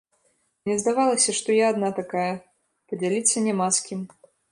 Мне здавалася, што я адна такая, падзяліцца няма з кім.